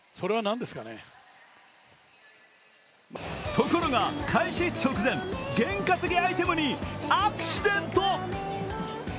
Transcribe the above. ところが、開始直前、験担ぎアイテムにアクシデント。